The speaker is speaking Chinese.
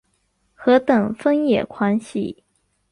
何等疯野狂喜？